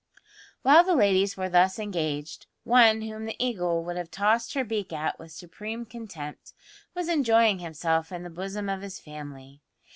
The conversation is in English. While the ladies were thus engaged, one whom the Eagle would have tossed her beak at with supreme contempt was enjoying himself in the bosom of his family.